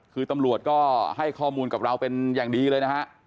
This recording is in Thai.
คือตำรวจก็ให้ข้อมูลกับเราเป็นอย่างดีเลยนะฮะ